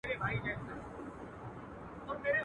لکه جوړه له بلوړو مرغلینه.